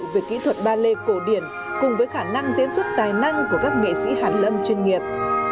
về kỹ thuật ballet cổ điển cùng với khả năng diễn xuất tài năng của các nghệ sĩ hàn lâm chuyên nghiệp